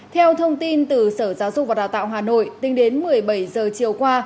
theo thông tin từ sở giáo dục và đào tạo hà nội tính đến một mươi bảy giờ chiều qua